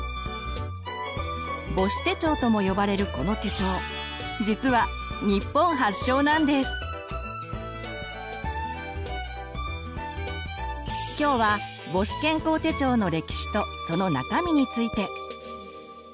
「母子手帳」とも呼ばれるこの手帳実は今日は母子健康手帳の歴史とその中身について。